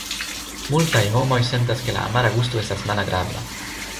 Multaj homoj sentas ke la amara gusto estas malagrabla.